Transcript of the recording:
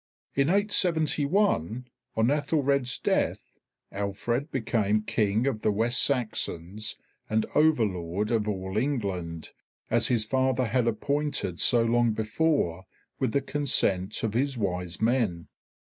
In 871, on Aethelred's death, Alfred became King of the West Saxons and Over lord of all England, as his father had appointed so long before with the consent of his Wise Men.